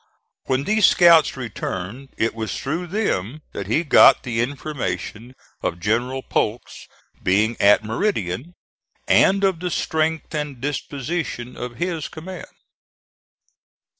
When these scouts returned it was through them that he got the information of General Polk's being at Meridian, and of the strength and disposition of his command.